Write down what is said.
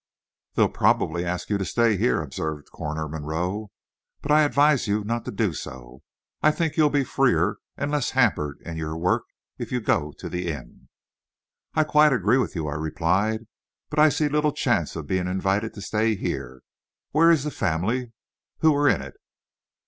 "They'll probably ask you to stay here," observed Coroner Monroe, "but I advise you not to do so. I think you'll be freer and less hampered in your work if you go to the inn." "I quite agree with you," I replied. "But I see little chance of being invited to stay here. Where is the family? Who are in it?"